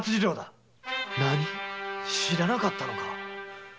知らなかったのか？！